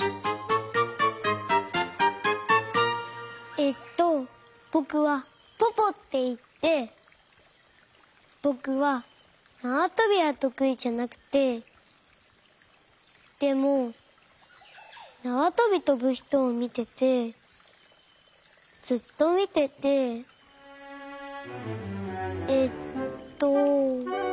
えっとぼくはポポっていってぼくはなわとびはとくいじゃなくてでもなわとびとぶひとをみててずっとみててえっと。